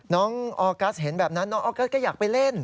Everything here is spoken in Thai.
น้องออกัสเห็นแบบนั้นน้องออกัสก็อยากไปเล่น